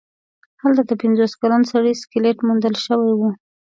هلته د پنځوس کلن سړي سکلیټ موندل شوی و.